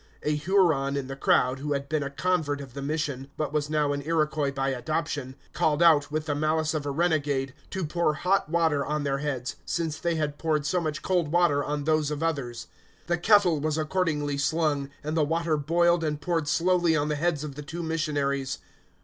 A Huron in the crowd, who had been a convert of the mission, but was now an Iroquois by adoption, called out, with the malice of a renegade, to pour hot water on their heads, since they had poured so much cold water on those of others. The kettle was accordingly slung, and the water boiled and poured slowly on the heads of the two missionaries.